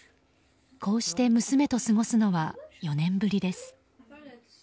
こうして娘と過ごすのは４年ぶりです。